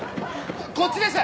こっちです！